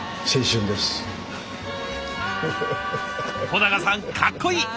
保永さんかっこいい！